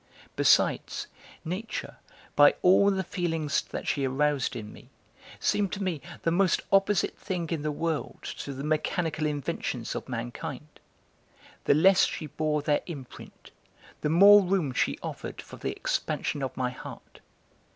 Besides, nature, by all the feelings that she aroused in me, seemed to me the most opposite thing in the world to the mechanical inventions of mankind The less she bore their imprint, the more room she offered for the expansion of my heart.